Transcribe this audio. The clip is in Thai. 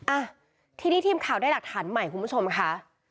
อ่ะทีนี้ทีมข่าวได้หลักฐานใหม่คุณผู้ชมค่ะ